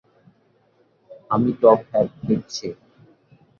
আমি top hat নিচ্ছি।